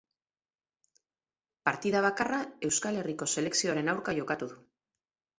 Partida bakarra Euskal Herriko selekzioaren aurka jokatu du.